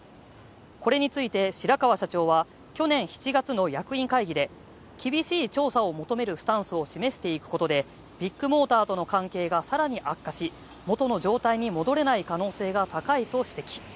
これについて白川社長は去年７月の役員会議で、厳しい調査を求めるスタンスを示していくことでビッグモーターとの関係が更に悪化し元の状態に戻れない可能性が高いと指摘。